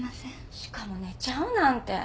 しかも寝ちゃうなんて。